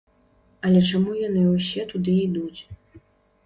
Але чаму яны ўсе туды ідуць?